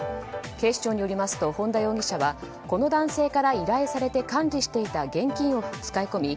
警視庁によりますと本田容疑者はこの男性から依頼されて管理していた現金を使い込み